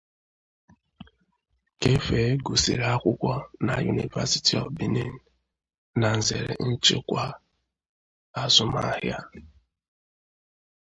Kefee gụsịrị akwụkwọ na University of Benin na nzere nchịkwa azụmahịa.